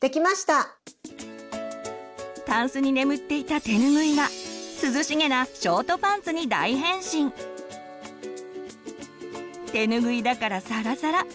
たんすに眠っていたてぬぐいが涼しげなショートパンツに大変身！てぬぐいだからサラサラ！